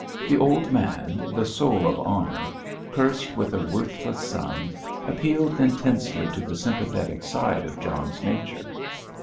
The old man, the soul of honour, cursed with a worthless son, appealed intensely to the sympathetic side of John's nature.